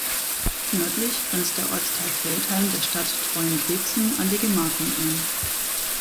Nördlich grenzt der Ortsteil Feldheim der Stadt Treuenbrietzen an die Gemarkung an.